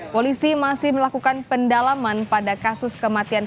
polisi masih melakukan pendalaman pada kasus kematian